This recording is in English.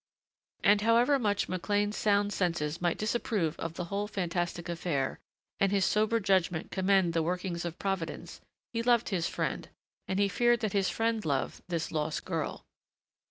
And however much McLean's sound senses might disapprove of the whole fantastic affair and his sober judgment commend the workings of Providence, he loved his friend, and he feared that his friend loved this lost girl.